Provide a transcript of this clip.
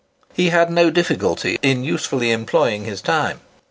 He had no difficulty in usefully employing his time.